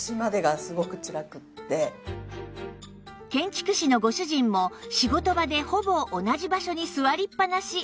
建築士のご主人も仕事場でほぼ同じ場所に座りっぱなし